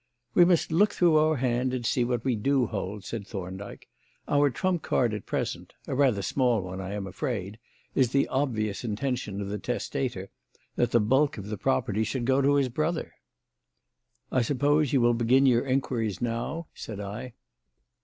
"We must look through our hand and see what we do hold," said Thorndyke. "Our trump card at present a rather small one, I am afraid is the obvious intention of the testator that the bulk of the property should go to his brother." "I suppose you will begin your inquiries now," said I.